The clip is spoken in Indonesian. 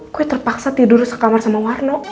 kok terpaksa tidur terus ke kamar sama warno